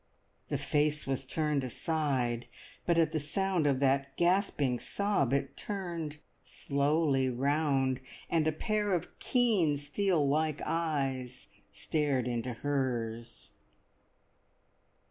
The face was turned aside, but at the sound of that gasping sob it turned slowly round, and a pair of keen, steel like eyes stared into hers.